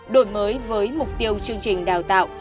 đổi mới với mục tiêu chương trình đào tạo